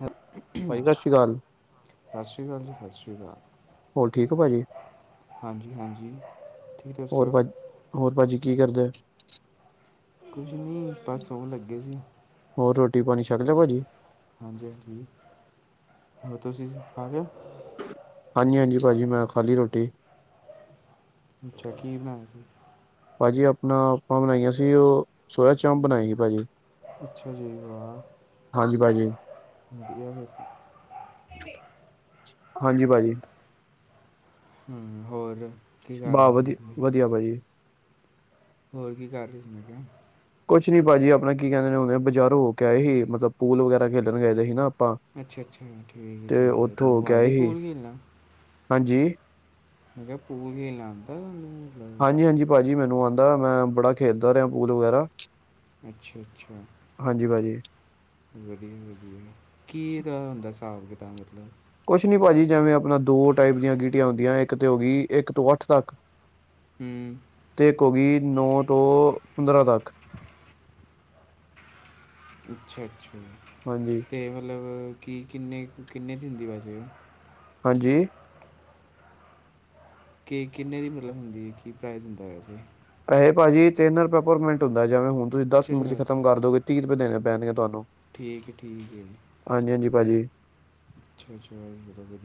ਹ- ਭਾਈ ਸਤਿ ਸ਼੍ਰੀ ਅਕਾਲ। ਸਤਿ ਸ਼੍ਰੀ ਅਕਾਲ ਜੀ ਸਤਿ ਸ਼੍ਰੀ ਅਕਾਲ। ਹੋਰ ਠੀਕ ਹੋ ਭਾਜੀ। ਹਾਂਜੀ ਹਾਂਜੀ ਠੀਕ ਹੋਰ ਦੱਸੋ ਭਾਜੀ ਹੋਰ ਭਾਜੀ ਕੀ ਕਰਦੇ। ਕੁੱਝ ਨੀ ਬਸ ਸੌਣ ਲੱਗੇ ਸੀ। ਹੋਰ ਰੋਟੀ ਪਾਣੀ ਛੱਕ ਲਿਆ ਭਾਜੀ। ਹਾਂਜੀ ਹਾਂਜੀ ਜੀ ਹੋਰ ਤੁਸੀਂ ਖਾ ਲਿਆ। ਹਾਂਜੀ ਹਾਂਜੀ ਭਾਜੀ ਮੈਂ ਖਾਲੀ ਰੋਟੀ। ਅੱਛਾ ਕੀ ਬਣਾਇਆ ਤੁਸੀ। ਭਾਜੀ ਆਪਣਾ ਆਪਾਂ ਬਣਾਈਆਂ ਸੀ ਉਹ ਸੋਇਆਚਾਪ ਬਣਾਈ ਸੀ ਭਾਜੀ। ਅੱਛਾ ਚੀਜ਼ ਬਾ ਹਾਂਜੀ ਭਾਜੀ ਵਧੀਆ। ਹਾਂਜੀ ਭਾਜੀ। ਹੂ ਹੋਰ। ਕੀ ਕਰ ਬਾਹ ਰਹੇ ਸੀ ਵਧੀਆ ਤੁਸੀਂ ਵਧੀਆ ਭਾਜੀ। ਹੋਰ ਕੀ ਕਰ ਰਹੀ ਸੀ ਮੈਂ ਕਿਹਾ। ਕੁਛ ਨੀ ਭਾਜੀ ਆਪਣਾ ਕੀ ਕਹਿੰਦੇ ਨੇ ਬਜ਼ਾਰ ਹੋ ਕੇ ਆਏ ਸੀ ਮਤਲਬ ਪੂਲ ਵਗੈਰਾ ਖੇਡਣ ਗਏ ਸੀ ਨਾ। ਆਪਾਂ ਅੱਛਾ ਅੱਛਾ ਠੀਕ ਹੈ ਤੇ ਠੀਕ ਹੈ ਉੱਥੋਂ ਹੋ ਤੁਹਾਨੂੰ ਕੇ ਆਏ ਆਉਂਦੀ ਸੀ ਪੂਲ ਖੇਲਣਾ ਹਾਂਜੀ ਮੈਂ ਕਿਹਾ ਪੂਲ ਖੇਲਣਾ ਆਉਦਾ ਤੈਨੂੰ। ਹਾਂਜੀ ਹਾਂਜੀ ਭਾਜੀ ਮੈਨੂੰ ਆਦਾ ਮੈਂ ਬੜਾ ਖੇਡਦਾ ਰਿਹਾ ਪੂਲ ਵਗੈਰਾ। ਅੱਛਾ ਅੱਛਾ। ਹਾਂਜੀ ਭਾਜੀ ਵਧੀਆ ਵਧੀਆ ਕਿ ਦਾ ਹੁੰਦਾ ਹਿਸਾਬ ਕਿਤਾਬ ਮਤਲਬ। ਕੁਛ ਨਹੀਂ ਭਾਅਜੀ ਜਿਵੇਂ ਆਪਣਾ ਦੋ ਟਾਈਪ ਦੀਆਂ ਗੀਟੀਆਂ ਹੁੰਦੀਆਂ ਇੱਕ ਤੇ ਹੋ ਗਈ ਇੱਕ ਤੋਂ ਅੱਠ ਤੱਕ। ਹੂੰ ਤੇ ਇਕ ਹੋ ਗਈ ਨੌ ਤੋਂ। ਪੰਦਰਾਂ ਤੱਕ। ਅੱਛਾ ਅੱਛਾ ਹਾਂਜੀ ਤੇ ਮਤਲਬ। ਕਿ ਕਿੰਨੇ ਕੁ ਕਿੰਨੇ ਦਿੰਦੀ ਵੈਸੇ। ਹਾਂਜੀ। ਕਿ ਕਿੰਨੇ ਦੀ ਮਤਲਬ ਹੁੰਦੀ ਕੀ ਪ੍ਰਾਈਜ ਹੁੰਦਾ। ਇਹ ਭਾਜੀ ਤਿੰਨ ਰੁਪਏ ਪਰ ਮਿੰਟ ਹੁੰਦਾ ਜਿਵੇ ਹੁਣ ਤੁਸੀਂ ਦਸ ਅੱਛਾ ਮਿੰਟ ਚ ਅੱਛਾ ਖਤਮ ਕਰ ਦੋਗੇ ਤੀਹ ਰੁਪਏ ਦੇਣੇ ਪੈਣਗੇ ਤੁਹਾਨੂੰ। ਠੀਕ ਹੈ ਠੀਕ ਹੈ। ਹਾਂਜੀ ਹਾਂਜੀ ਭਾਜੀ ਅੱਛਾ ਅੱਛਾ ਬਬ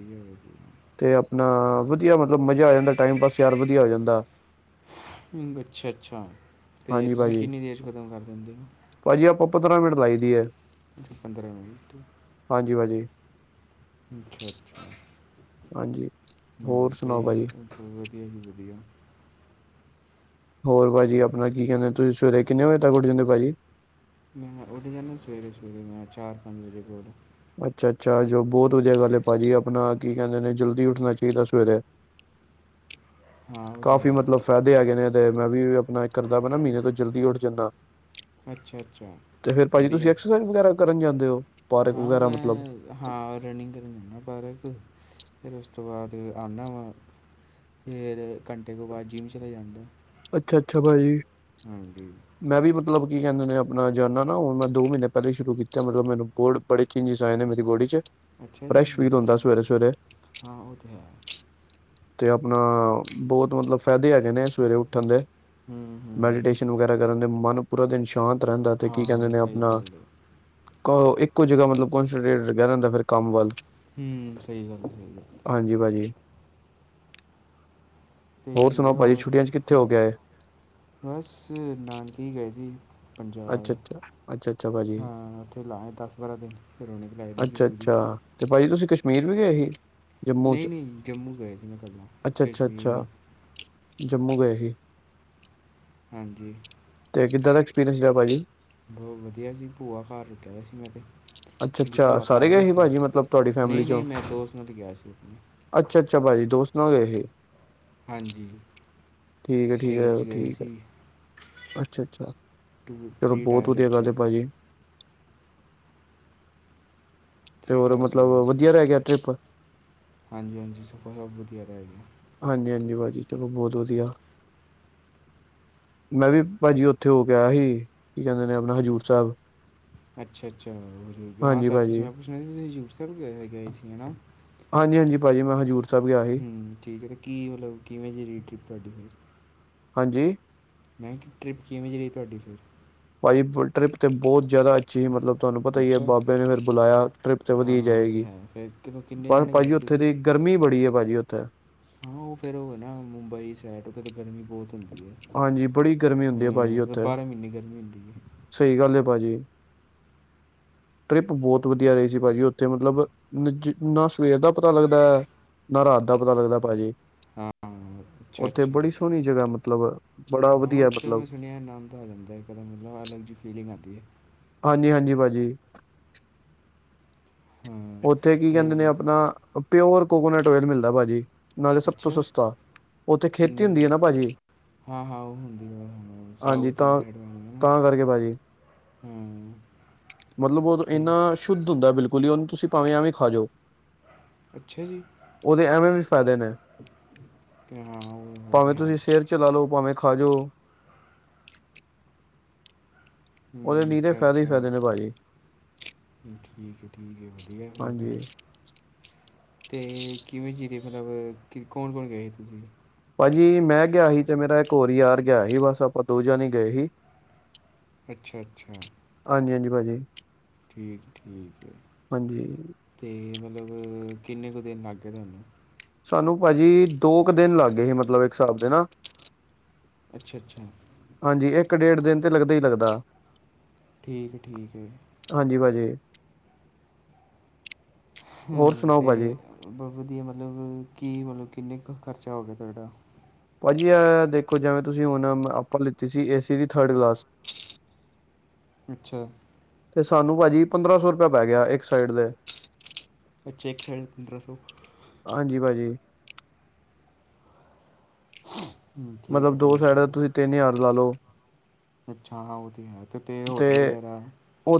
ਤੇ ਆਪਣਾ ਵਧੀਆ ਮਤਲਬ ਮਜ਼ਾ ਆ ਜਾਂਦਾ ਟਾਈਮ ਪਾਸ ਯਾਰ ਵਧੀਆ ਵਧੀਆ ਹੋ ਜਾਂਦਾ। ਅੱਛਾ ਅੱਛਾ ਤੇ ਹਾਂਜੀ ਤੁਸੀਂ ਭਾਜੀ ਕਿੰਨੀ ਦੇਰ 'ਚ ਖਤਮ ਕਰ ਦਿੰਦੇ ਹੋ। ਭਾਜੀ ਆਪਾਂ ਪੰਦਰਾਂ ਮਿੰਟ ਲਾਈ ਦੀ ਹੈ। ਪੰਦਰਾਂ ਮਿੰਟ ਹਾਂਜੀ ਭਾਜੀ ਅੱਛਾ ਅੱਛਾ ਹਾਂਜੀ ਹੋਰ ਤੇ ਸੁਣਾਓ ਭਾਜੀ ਵਧੀਆ ਜੀ ਵਧੀਆ ਹੋਰ ਭਾਜੀ ਆਪਣਾ ਕੀ ਕਹਿੰਦੇ ਤੁਸੀਂ ਸਵੇਰੇ ਕਿੰਨੇ ਵਜੇ ਤੱਕ ਉੱਠ ਜਾਂਦੇ ਹੋ ਭਾਜੀ ਮੈਂ ਉਡੇ ਜਾਂਦਾ ਸਵੇਰੇ ਸਵੇਰੇ ਮੈਂ ਚਾਰ ਪੰਜ ਵਜੇ ਬਡ ਅੱਛਾ ਅੱਛਾ ਜੋ ਬਹੁਤ ਵਧੀਆ ਗੱਲ ਹੈ ਭਾਜੀ ਆਪਣਾ ਕੀ ਕਹਿੰਦੇ ਨੇ ਜਲਦੀ ਉੱਠਣਾ ਚਾਹੀਦਾ ਸਵੇਰੇ [inaudible] ਹਾਂ ਉਹ ਤਾਂ ਕਾਫੀ ਹੈ ਮਤਲਬ ਫਾਇਦੇ ਹੈਗੇ ਨੇਦੇ ਮੈਂ ਵੀ ਆਪਣਾ ਕਰਦਾ ਪਿਆ ਮਹੀਨੇ ਤੋਂ ਜਲਦੀ ਉੱਠ ਜਾਂਦਾ। ਅੱਛਾ ਅੱਛਾ ਤੇ ਫੇਰ ਭਾਜੀ ਤੁਸੀਂ ਵਧੀਆ ਐਕਸਰਸਾਈਜ਼ ਵਗੈਰਾ ਕਰਨ ਜਾ। ਹਾਂ ਮੈਂ ਹਾਂ ਰਨਿੰਗ ਕਰਨ ਜਾਂਦਾ ਪਾਰਕ। ਫਿਰ ਉਸ ਤੋਂ ਬਾਅਦ ਅਨਾ ਵਾ ਫਿਰ ਘੰਟੇ ਤੋਂ ਬਾਅਦ ਜਿੰਮ ਚਲਾ ਜਾਂਦਾ। ਅੱਛਾ ਅੱਛਾ ਪਾਜੀ। ਹਾਂਜੀ ਮਤਲਬ ਕੀ ਕਹਿੰਦੇ ਨੇ ਆਪਣਾ ਜਾਨਾ ਨਾ ਹੁਣ ਮੈਂ ਦੋ ਮਹੀਨੇ ਪਹਿਲਾਂ ਹੀ ਸ਼ੁਰੂ ਕੀਤਾ ਮਤਲਬ ਮੈਨੂੰ ਬੋਰਡ ਬੜੇ ਚੰਗੇ ਆਏ ਨੇ ਮੇਰੀ ਬੌਡੀ ਅੱਛਾ ਜੀ ਵਧੀ ਹਾਂ ਹਾਂ ਉਹ ਤਾਂ ਹੈ ਤੇ ਆਪਣਾ ਬਹੁਤ ਮਤਲਬ ਫਾਇਦੇ ਹੈਗੇ ਨੇ ਉ ਹੂੰ ਹੂੰ ਮੈਡੀਟੇਸ਼ਨ ਵਗੈਰਾ ਕਰਨ ਦੇ ਮਨ ਪੂਰਾ ਦਿਨ ਚ। ਸ਼ਾਂਤ ਰਹਿੰਦਾ ਤੇ ਕੀ ਕਹਿੰਦੇ ਹਾਂ ਨੇ ਸਹੀ ਆਪਣਾ ਗੱਲ ਹੈ ਇੱਕ ਕੁਝ ਜਗ੍ਹਾ ਮਤਲਬ ਕੋਂਸਨਟਰੇਟਟਰ ਕਹਿ ਰਿੰਦਾ ਫਿਰ ਕੰਮ ਵੱਲ ਹੂ ਸਹੀ ਗੱਲ ਸਹੀ ਗੱਲ ਹਾਂਜੀ ਭਾਜੀ ਹੋਰ ਸੁਣਾਓ ਭਾਜੀ ਛੁੱਟੀਆਂ ਚ ਕਿੱ ਬਸ ਨਾਨਕੇ ਗਏ ਸੀ ਅੱਛਾ ਪੰਜਾਬ ਅੱਛਾ ਅੱਛਾ ਅੱਛਾ ਭਾਜੀ ਹਾਂ ਉੱਥੇ ਲਾ ਦਸ ਬਾਰਾਂ ਦਿਨ ਫਿਰ ਰੌਣਕ ਚਾਹੀਦੀ ਸੀ ਅੱਛਾ ਪੂਰੀ ਅੱਛਾ ਤੇ ਭਾਜੀ ਤੁਸੀਂ ਕਸ਼ਮੀਰ ਵੀ ਗਏ ਸੀ ਜੰਮੂ ਚ ਨਹੀਂ ਨਹੀਂ ਜੰਮੂ ਗਏ ਸੀ ਪਹਿਲਾਂ ਅੱਛਾ ਅੱਛਾ ਕਸ਼ਮੀਰ ਅੱਛਾ ਨਹੀਂ ਜੰਮੂ ਗਏ ਸੀ ਹਾਂਜੀ ਤੇ ਕਿੱਦਾਂ ਦਾ ਭਾਜੀ ਬਹੁਤ ਵਧੀਆ ਸੀ ਭੂਆ ਘਰ ਰੁਕਿਆ ਸੀ ਮੈਂ ਤੇ ਅੱਛਾ ਮੇਰੀ ਅੱਛਾ ਭੂਆ ਘਰ ਸਾਰੇ ਹੈ ਨਾ ਗਏ ਸੀ ਇੱਥੇ ਭਾਜੀ ਮਤਲਬ ਤੁਹਾਡੀ ਫੈਮਲੀ ਨਹੀਂ ਨਹੀਂ ਚੋਂ ਮੈਂ ਦੋਸਤ ਨਾਲ ਗਿਆ ਸੀ ਆਪਣੇ ਅੱਛਾ ਅੱਛਾ ਭਾਜੀ ਸੁ ਦੇ ਸੀ [inaudible] ਹਾਂਜੀ ਠੀਕ ਹੈ ਠੀਕ ਹੈ ਟੇਨ ਚ ਗਏ ਠੀਕ ਹੈ ਸੀ ਅੱਛਾ ਅੱਛਾ ਟੂ ਚਲੋ ਥਰੀ ਬਹੁਤ ਟਾਇਰ ਵਧੀਆ ਵਿੱਚ ਗੱਲ ਭਾਜੀ ਤੇ ਥਰੀ ਹੋਰ ਟਾਇਰ 'ਚ ਮਤਲਬ ਗਏ ਸੀ ਵਧੀਆ ਰਹਿ ਗਿਆ ਟਰਿਪ ਹਾਂਜੀ ਹਾਂਜੀ ਸਭ ਵਧੀਆ ਰਹਿ ਗਿਆ ਤੁਨੂੰ ਬਹੁਤ ਵਧੀਆ ਮੈਂ ਵੀ ਭਾਜੀ ਉੱਥੇ ਹੋ ਕੇ ਆਇ ਸੀ ਕੀ ਕਹਿੰਦੇ ਨੇ ਆਪਣਾ ਹਜ਼ੂਰ ਸਾਹਿਬ ਅੱਛਾ ਅੱਛਾ ਹਾਂ ਹਾਂਜੀ ਸਰ ਭਾਜੀ ਮੈਂ ਪੁੱਛਣਾ ਸੀ ਤੁਸੀਂ ਹਜੂਰ ਸਾਹਿਬ ਗਏ ਸੀ ਨਾ ਹਾਂਜੀ ਹਾਂਜੀ ਭਾਜੀ ਮੈਂ ਹਜ਼ੂਰ ਸਾਹਿਬ ਗਿਆ ਸੀ ਹਮ ਠੀਕ ਹੈ ਤੇ ਕੀ ਮਤਲਬ ਕਿਵੇਂ ਦੀ ਰਹੀ ਟਰਿਪ ਤੁਹਾਡੀ ਹਾਂਜੀ ਮੈਂ ਕਿ ਟਰਿੱਪ ਕਿਵੇਂ ਰਹੀ ਤੁਹਾਡੀ ਫਿਰ ਭਾਈ ਟਰਿੱਪ ਤੇ ਬਹੁਤ ਜ਼ਿਆਦਾ ਅੱਛੀ ਸੀ ਮਤਲਬ ਤੁਹਾਨੂੰ ਪਤਾ ਹੀ ਹੈ ਅੱਛਾ ਬਾਬੇ ਨੇ ਫਿਰ ਬੁਲਾਇਆ ਟ੍ਰਿਪ ਤੇ ਹਾਂ ਵਧੀਆ ਉਹ ਤਾਂ ਜਾਏਗੀ ਹੈ ਫਿਰ ਕਿਦੋਂ ਕਿੰਨੇ ਪਰ ਜਾਣੇ ਗਏ ਭਾਜੀ ਹੋ ਉੱਥੇ ਤੁਸੀਂ ਦੀ ਗਰਮੀ ਮੀ ਬੜੀ ਹੈ ਭਾਜੀ ਉੱਥੇ ਹਾਂ ਉਹ ਫੇਰ ਉਹ ਨਾ ਮੁੰਬਈ ਸੈਡ ਉਥ ਤੇ ਗਰਮੀ ਬਹੁਤ ਹੁੰਦੀ ਹੈ ਹਾਂਜੀ ਬੜੀ ਗਰਮੀ ਹੁੰਦੀ ਹੈ ਹਾਂ ਭਾਜੀ ਤਾਂ ਉੱਥੇ ਬਾਰ੍ਹਾਂ ਮਹੀਨੇ ਗਰਮੀ ਹੁੰਦੀ ਹੈ ਸਹੀ ਗੱਲ ਹੈ ਭਾਜੀ [inaudible] ਟਰਿਪ ਬਹੁਤ ਵਧੀਆ ਰਹੀ ਸੀ ਭਾਜੀ ਉੱਥੇ ਮਤਲਬ ਜਿੰਨਾ ਸਵੇਰ ਦਾ ਪਤਾ ਲੱਗਦਾ ਹੈ ਨਾ ਰਾਤ ਦਾ ਪਤਾ ਲੱਗਦਾ ਭਾਜੀ ਹਾਂ ਅੱਛਾ ਉੱਥੇ ਅੱਛਾ ਬੜੀ ਸੋਹਣੀ ਜਗ੍ਹਾ ਮਤਲਬ ਬੜਾ ਹਾਂ ਵਧੀਆ ਉੱਥੇ ਮੈਂ ਮਤਲਬ ਸੁਣਿਆ ਆਨੰਦ ਆ ਜਾਂਦਾ ਇੱਕ ਤਾਂ ਮਤਲਬ ਅਲੱਗ ਜਿਹੀ ਫੀਲਿੰਗ ਆਉਦੀ ਹੈ ਹਾਂਜੀ ਹਾਂਜੀ ਭਾਜੀ ਹਾਂ ਉੱਥੇ ਕੀ ਕਹਿੰਦੇ ਨੇ ਅਤੇ ਆਪਣਾ ਪਿਓਰ ਕੋਕੋਨਟ ਓਇਲ ਮਿਲਦਾ ਭਾਜੀ ਨਾਲੇ ਸਭ ਤੋਂ ਅੱਛਾ ਸਸਤਾ ਉੱਥੇ ਖੇਤੀ ਕਿੰਨੇ ਕੁ ਹੁੰਦੀ ਹੈ ਨਾ ਭਾਜੀ ਹਾਂ ਹਾਂ ਉਹ ਹੁੰਦੀ ਹੈ ਹਾਂਜੀ ਸਾਊਥੀ ਤਾਂ ਸਾਈਡ ਨਾ ਤਾਂ ਕਰਕੇ ਭਾਜੀ ਹਮ ਮਤਲਬ ਉਹ ਇੰਨਾ ਸ਼ੁੱਧ ਹੁੰਦਾ ਬਿਲਕੁਲ ਹੀ ਉਹਨੂੰ ਤੁਸੀਂ ਭਾਵੇਂ ਐਵੇਂ ਖਾ ਜਾਓ ਅੱਛਾ ਜੀ ਉਹਦੇ ਐਵੇਂ ਵੀ ਫਾਇਦੇ ਨੇ ਅਤੇ ਹਾਂ ਉਹ ਉਹ ਤਾਂ ਭਾਵੇਂ ਹੈ ਤੁਸੀਂ ਸਰ ਚਲਾ ਲਓ ਭਾਵੇਂ ਖਾ ਜੋ ਉਹਦੇ ਹੂੰ ਨੀਹਰੇ ਅੱਛਾ ਫਾਇਦੇ ਹੀ ਅੱਛਾ ਫਾਇਦੇ ਨੇ ਭਾਜੀ ਠੀਕ ਹੈ ਠੀਕ ਹੈ ਵਧੀਆ ਫਿਰ ਤਾਂ ਹਾਂਜੀ ਤੇ ਕਿਵੇਂ ਚੀਰੇ ਮਤਲਬ ਕੌਣ ਕੌਣ ਗਏ ਸੀ ਤੁਸੀਂ ਭਾਜੀ ਮੈਂ ਗਿਆ ਸੀ ਤੇ ਮੇਰਾ ਇੱਕ ਹੋਰ ਯਾਰ ਗਿਆ ਸੀ ਬਸ ਆਪਾਂ ਦੋ ਜਾਣੇ ਗਏ ਸੀ ਅੱਛਾ ਅੱਛਾ ਠੀਕ ਜੀ ਠੀਕ ਠੀਕ ਹੈ ਹਾਂਜੀ ਅਤੇ ਮਤਲਬ ਕਿੰਨੇ ਕੁ ਦਿਨ ਲੱਗ ਗਏ ਤੁਹਾਨੂੰ ਸਾਨੂੰ ਭਾਜੀ ਦੋ ਕੁ ਦਿਨ ਲੱਗ ਗਏ ਸੀ ਮਤਲਬ ਇੱਕ ਹਿਸਾਬ ਦੇ ਨਾ ਅੱਛਾ ਅੱਛਾ ਹਾਂਜੀ ਇੱਕ ਡੇਢ ਦਿਨ ਤੇ ਲੱਗਦਾ ਹੀ ਲੱਗਦਾ ਠੀਕ ਹੈ ਠੀਕ ਹੈ ਜੀ [inaudible] ਹੋਰ ਹੂੰ ਸੁਣਾਓ ਤੇ ਭਾਜੀ ਵਧੀਆ ਮਤਲਬ ਕੀ ਮਤਲਬ ਕਿੰਨੇ ਕੁ ਖਰਚਾ ਹੋ ਗਿਆ ਤੁਹਾਡਾ ਭਾਜੀ ਆ ਦੇਖੋ ਜਿਵੇਂ ਤੁਸੀਂ ਹੁਣ ਆਪਾਂ ਲਿੱਤੀ ਸੀ ਏਸੀ ਦੀ ਥਰਡ ਕਲਾਸ [inaudible] ਅੱਛਾ ਤੇ ਸਾਨੂੰ ਭਾਜੀ ਪੰਦਰਾਂ ਸੌ ਰੁਪਆ ਪੈ ਗਿਆ ਇੱਕ ਸਾਈਡ ਦੇ ਅੱਛਾ ਇੱਕ ਸਾਈਡ ਪੰਦਰਾਂ ਸੌ ਹਾਂਜੀ ਭਾਜੀ ਹੂੰ ਠੀਕ ਹੈ ਮਤਲਬ ਦੋ ਠੀਕ ਸਾਈਡ ਤੁਸੀਂ ਹੈ ਤਿੰਨ ਹਜ਼ਾਰ ਲਾ ਲਓ ਅੱਛਾ ਹਾਂ ਉਹ ਤਾਂ ਹੈ ਅਤੇ ਤੇਰੇ ਹੋਟਲ ਵਗੈਰਾ ਹੈ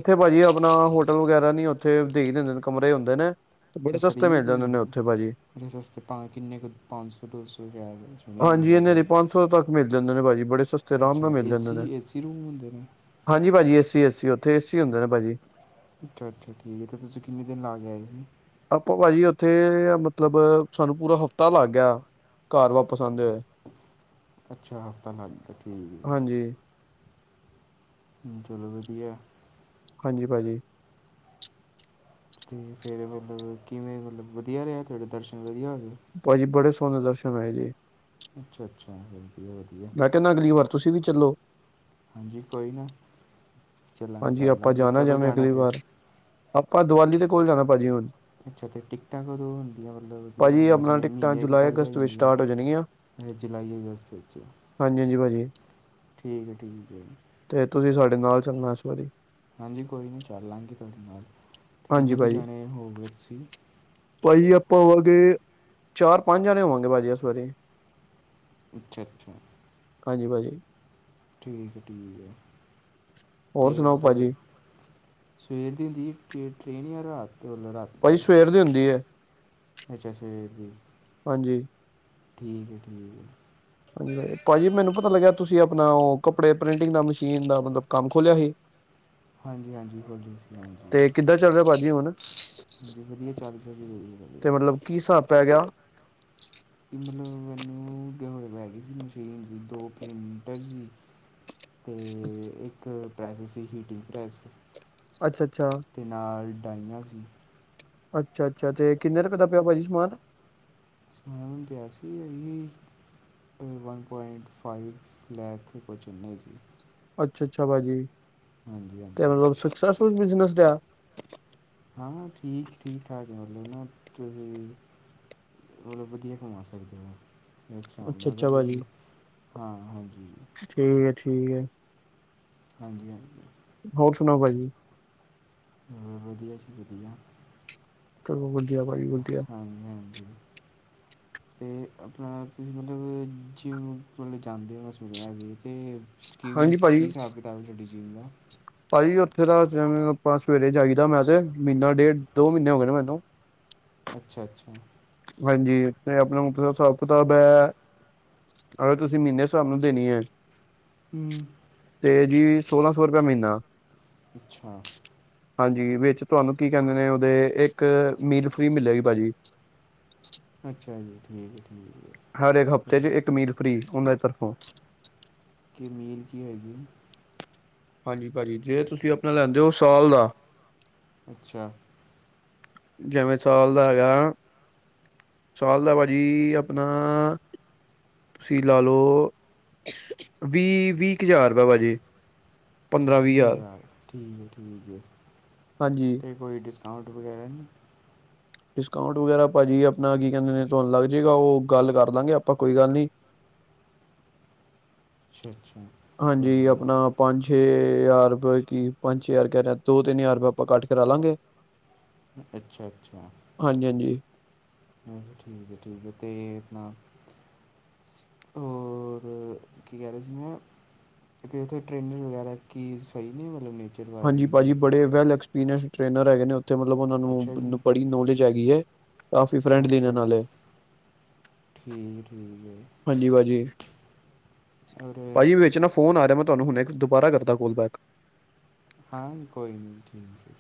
ਇੱਥੇ ਭਾਜੀ ਆਪਣਾ ਹੋਟਲ ਵਗੈਰਾ ਨਹੀਂ ਉੱਥੇ ਦੇਖ ਦਿੰਦੇ ਨੇ ਕਮਰੇ ਹੁੰਦੇ ਨੇ ਤੇ ਬੜੇ ਸਸਤੇ ਮਿਲ ਜਾਂਦੇ ਨੇ ਉੱਥੇ ਭਾਜੀ ਸਸ ਕਿ ਕੁ ਪੰਜ ਸੌ ਦੋ ਸੌ ਸੁਣਿਆ ਮੈਂ ਹਾਂਜੀ ਇਹਨਾਂ ਵੈਸੇ ਦੇ ਪੰਜ ਸੌ ਤੱਕ ਮਿਲ ਜਾਂਦੇ ਨੇ ਭਾਜੀ ਬੜੇ ਸਸਤੇ ਆਰਾਮ ਨਾਲ ਅੱਛਾ ਮਿਲ ਜਾਂਦੇ ਏਸੀ ਨੇ ਏਸੀ ਰੂਮ ਹੁੰਦੇ ਨੇ ਹਾਂਜੀ ਭਾਜੀ ਏਸੀ ਏਸੀ ਉੱਥੇ ਏਸੀ ਹੁੰਦੇ ਨੇ ਭਾਜੀ ਅੱਛਾ ਅੱਛਾ ਠੀਕ ਹੈ ਅਤੇ ਤੁਸੀਂ ਕਿੰਨੇ ਦਿਨ ਲਾ ਕੇ ਤੁਸੀਂ ਆਪਾਂ ਭਾਜੀ ਉੱਥੇ ਮਤਲਬ ਸਾਨੂੰ ਪੂਰਾ ਹਫ਼ਤਾ ਲੱਗ ਗਿਆ ਘਰ ਵਾਪਿਸ ਆਉਂਦੇ ਹੋਏ ਅੱਛਾ ਹਫ਼ਤਾ ਲੱਗ ਗਿਆ ਠੀਕ ਜੀ ਹਾਂਜੀ ਚਲੋ ਵਧੀਆ ਹਾਂਜੀ ਭਾਜੀ ਤੇ ਫੇਰ ਮਤਲਬ ਕਿਵੇਂ ਮਤਲਬ ਵਧੀਆ ਰਿਹਾ ਤੁਹਾਡੇ ਦਰਸ਼ਨ ਵਧੀਆ ਹੋ ਗਏ ਭਾਜੀ ਬੜੇ ਸੋਹਣੇ ਦਰਸ਼ਨ ਹੋਏ ਜੀ। ਅੱਛਾ ਅੱਛਾ। ਵਧੀਆ ਮੈਂ ਕਹਿੰਦਾ ਅਗਲੀ ਵਾਰ ਤੁਸੀਂ ਵੀ ਚੱਲੋ? ਹਾਂਜੀ ਕੋਈ ਨਾ। ਚੱਲਾਂਗੇ ਹਾਂਜੀ ਆਪਾਂ ਚੱਲਾਂਗੇ ਜਾਣਾ ਕਦੋਂ ਜਾਵੇਂ ਅਗਲੀ ਫਿਰ ਵਾਰ ਆਪਾਂ ਦੀਵਾਲੀ ਦੇ ਕੋਲ ਜਾਣਾ ਭਾਜੀ ਹੁਣ। ਅੱਛਾ ਅਤੇ ਟਿਕਟਾਂ ਕਦੋਂ ਹੁੰਦੀਆਂ ਮਤਲਬ ਉਹਦੀਆਂ ਭਾਜੀ ਮੈਂ ਆਪਣਾ ਸੁਣਿਆ ਟਿਕਟਾਂ ਮਹੀਨੇ ਕੁ ਜੁਲਾਈ ਪਹਲੇ ਹੋ ਅਗਸਤ ਵਿੱਚ ਜਾਂਦੀਆਂ। ਸਟਾਰਟ ਹੋ ਜਾਣਗੀਆਂ ਇਹ ਜੁਲਾਈ ਅਗਸਤ ਵਿੱਚ ਹਾਂਜੀ ਹਾਂਜੀ ਭਾਜੀ ਠੀਕ ਹੈ ਠੀਕ ਹੈ। ਤੇ ਤੁਸੀਂ ਸਾਡੇ ਨਾਲ ਚੰਨਾਸ਼ਵਰੀ [inaudible] ਹਾਂਜੀ, ਕੋਈ ਨਹੀਂ, ਚੱਲ ਲਾਂਗੇ ਤੁਹਾਡੇ ਨਾਲ ਅਤੇ ਹਾਂਜੀ ਕਿੰਨੇ ਕੁ ਭਾਜੀ ਜਾਣੇ ਹੋਵੋਗੇ? ਤੁਸੀਂ ਭਾਜੀ ਆਪਾਂ ਹੋਵਾਂਗੇ ਚਾਰ ਪੰਜ ਜਾਣੇ ਹੋਵਾਂਗੇ ਭਾਜੀ ਇਸ ਵਾਰੀ। ਅੱਛਾ ਅੱਛਾ। ਹਾਂਜੀ ਭਾਜੀ। ਠੀਕ ਹੈ ਠੀਕ ਹੈ। ਹੋਰ ਅਤੇ ਸੁਣਾਓ ਮਤਲਬ ਭਾਜੀ? ਸਵੇਰ ਦੀ ਹੁੰਦੀ ਟ੍ਰੇਨ ਜਾਂ ਰਾਤ? ਅਤੇ ਉੱਲ [inaudible] ਭਾਜੀ ਰਾਤੀ ਸਵੇਰ ਦੀ ਹੁੰਦੀ ਹੈ ਜ ਸਵੇਰ ਦੀ। ਹਾਂਜੀ ਠੀਕ ਹੈ ਠੀਕ ਹੈ। ਹਾਂਜੀ ਭਾਜੀ ਭਾਜੀ ਮੈਨੂੰ ਪਤਾ ਲੱਗਿਆ ਤੁਸੀਂ ਆਪਣਾ ਉਹ ਕੱਪੜੇ ਪ੍ਰਿੰਟਿੰਗ ਦਾ ਮਸ਼ੀਨ ਦਾ ਮਤਲਬ ਕੰਮ ਖੋਲਿਆ ਸੀ। ਹਾਂਜੀ ਹਾਂਜੀ ਬਸ ਤੁਸੀ ਸੁਣਾਓ ਜੀ। ਤੇ ਕਿੱਦਾਂ ਚੱਲ ਰਿਹਾ ਭਾਜੀ ਹੁਣ ਜੀ ਵਧੀਆ ਚੱਲ ਰਿਹਾ ਜੀ ਤੇ ਵਧੀਆ। ਮਤਲਬ ਕੀ ਹਿਸਾਬ ਪੈ ਗਿਆ। ਕਿ ਮਤਲਬ ਮੈਨੂੰ ਅਗੇ ਪਏ ਹੋਏ ਸੀ ਮਸ਼ੀਨ ਸੀ ਦੋ ਪ੍ਰਿੰਟਰ ਸੀ। ਤੇ ਇੱਕ ਪ੍ਰੈਸ ਸੀ ਹੀਟਿੰਗ ਪ੍ਰੈਸ। ਅੱਛਾ ਅੱਛਾ। ਦਾਈਆਂ ਸੀ। ਅੱਛਾ ਅੱਛਾ ਤੇ ਕਿੰਨੇ ਰੁਪਏ ਦਾ ਪਿਆ ਭਾਜੀ ਸਮਾਨ? ਸੁਣਾ ਹੁ ਪਿਆ ਸੀ ਆਈ [inaudible] ਵਨ ਪੁਆਇੰਟ ਫਾਈਵ ਲੈਖ ਕੇ ਚੱਲੇ ਅਸੀ। ਅੱਛਾ ਅੱਛਾ ਭਾਜੀ। ਹਾਂਜੀ ਤੇ ਹਾਂਜੀ। ਮਤਲਬ ਸਕਸੈਸਫੁਲ ਬਿਜਨਸ ਦੇ ਆ। ਹਾਂ ਠੀਕ ਠੀਕ ਠਾਕ ਬੋਲੇ ਨਾ ਤੁਸੀਂ। ਮਤਲਬ ਵਧੀਆ ਕਮਾ ਸਕਦੇ ਹੋ। ਅੱਛਾ ਦਾ ਫਿਰ ਤੁਸੀਂ ਹਾਂ ਹਾਂਜੀ। ਠੀਕ ਹੈ ਠੀਕ ਹੈ। ਹਾਂਜੀ ਹਾਂਜੀ। ਹੋਰ ਸੁਣਾਓ ਭਾਜੀ? ਵਧੀਆ ਜ ਵਧੀਆ। ਚਲੋ ਵਧੀਆ ਭਾਈ ਵਧੀਆ। ਤੇ ਆਪਣਾ ਤੁਸੀਂ ਮਤਲਬ ਜੇ ਜਾਂਦੇ ਹੋ ਮੈਂ ਸੁਣਿਆ ਕਿ ਤੇ ਕਿਵੇਂ ਹਾਂਜੀ ਕੀ ਭਾਜੀ ਹਿਸਾਬ ਕਿਤਾਬ ਹੈ ਤੁਹਾਡੀ ਜੀਨ ਦਾ। ਭਾਜੀ ਉੱਥੇ ਤਾਂ ਆਪਾਂ ਸਵੇਰੇ ਜਾਈਦਾ ਮੈਂ ਤੇ ਮਹੀਨਾ ਡੇਢ ਦੋ ਮਹੀਨੇ ਹੋ ਗਏ ਨੇ ਮੈਨੂੰ। ਅੱਛਾ ਅੱਛਾ। ਹਾਂਜੀ ਆਪਣਾ ਹਿਸਾਬ ਕਿਤਾਬ ਹੈ। ਅਗਰ ਤੁਸੀਂ ਮਹੀਨੇ ਹਿਸਾਬ ਨਾਲ ਦੇਣੀ ਹੈ। ਹੂੰ ਤੇ ਜੀ ਸੋਲਾਂ ਸੌ ਰੁਪਇਆ ਮਹੀਨਾ। ਅੱਛਾ। ਹਾਂਜੀ ਵਿੱਚ ਤੁਹਾਨੂੰ ਕੀ ਕਹਿੰਦੇ ਨੇ ਉਹਦੇ ਇੱਕ ਮੀਲ ਫ੍ਰਰੀ ਮਿਲਲੇਗੀ ਭਾਜੀ ਅੱਛਾ ਜੀ ਠੀਕ ਹੈ ਠੀਕ ਹਰ ਇੱਕ ਹਫ਼ਤੇ ਹੈ ਚ ਇੱਕ ਮੀਲ ਫ੍ਰਰੀ ਉਹਨਾਂ ਦੀ ਤਰਫੋਂ ਕੇ ਮੀਲ ਕੀ ਹੈਗੀ ਹਾਂਜੀ ਭਾਜੀ ਜੇ ਤੁਸੀਂ ਆਪਣਾ ਲੈਂਦੇ ਹੋ ਸਾਲ ਦਾ ਅੱਛਾ ਜਿਵੇਂ ਚਾਲ ਦਾਗਾ ਸਾਲ ਦਾ ਭਾਜੀ ਆਪਣਾ ਤੁਸੀਂ ਲਾ ਲਓ ਵੀਹ ਵੀਹ ਕੁ ਹਜ਼ਾਰੁਪ ਵਜੇ ਅੱਛਾ ਵੀਹ ਹਜ਼ਾਰ ਠੀਕ ਹੈ ਠੀਕ ਹੈ ਹਾਂਜੀ ਅਤੇ ਕੋਈ ਡਿਸਕਾ ਅਕਾਊਂਟ ਵਗੈਰਾ ਨਹੀਂ ਡਿਸਕਾਊਂਟ ਵਗੈਰਾ ਭਾਜੀ ਆਪਣਾ ਕੀ ਕਹਿੰਦੇ ਨੇ ਤੁਹਾਨੂੰ ਲੱਗ ਜਾਏਗਾ ਉਹ ਗੱਲ ਕਰ ਲਵਾਂਗੇ ਆਪਾਂ ਕੋਈ ਗੱਲ ਨੀ ਅੱਛਾ ਅੱਛਾ ਕੋਈ ਹਾਂਜੀ ਨਹੀਂ ਆਪਣਾ ਪੰਜ ਛੇ ਹਜ਼ਾਰਪਏ ਕਿ ਪੰਜ ਹਜ਼ਾਰ ਕਹਿ ਰਿਹਾ ਦੋ ਤਿੰਨ ਹਜ਼ਾਰ ਰੁਪਇ ਆਪਾਂ ਕੱਟ ਕਰਾ ਲਾਂਗੇ ਅੱਛਾ ਅੱਛਾ ਹਾਂਜੀ ਹਾਂਜੀ ਅ ਠੀਕ ਹੈ ਠੀਕ ਹੈ ਤੇ ਇਹ ਆਪ ਹੋਰ ਕੀ ਕਹਿ ਰਹੇ ਸੀ ਮੈਂ ਤੇ ਉੱਥੇ ਟ੍ਰੇਨ ਵਗੈਰਾ ਕੀ ਸਹੀ ਨੇ ਮਤਲਬ ਨੇ ਹਾਂਜੀ ਭਾਜੀ ਬੜੇ ਵੈਲ ਐਕਸਪੀਰੀਅੰਸ ਟ੍ਰੇਨਰ ਹੈਗੇ ਨੇ ਉੱਥੇ ਮਤਲਬ ਉਹਨਾਂ ਅੱਛਾ ਜੀ ਨੂੰ ਬੜੀ ਨੋਲੇਜ ਜਾਗੀਈ ਹੈ ਕਾਫ਼ੀ ਫਰੈਂਡਲੀ ਨੇ ਅੱਛਾ ਨਾਲੇ ਠੀਕ ਠੀਕ ਹੈ ਹਾਂਜੀ ਭਾਜੀ ਔਰ ਭਾਜੀ ਵਿੱਚ ਨਾ ਫੋਨ ਆ ਰਿਹਾ ਮੈਂ ਤੁਹਾਨੂੰ ਹੁਣੇ ਇੱਕ ਦੁਬਾਰਾ ਕਰਦਾ ਕੋਲਬੈਕ। ਹਾਂ ਕੋਈ ਨਹੀਂ ਠੀਕ ਜੀ